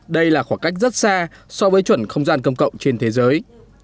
đây là khoảng cách rất xa so với chuẩn không gian công cộng trên thế giới